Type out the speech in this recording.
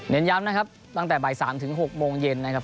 ย้ำนะครับตั้งแต่บ่าย๓ถึง๖โมงเย็นนะครับ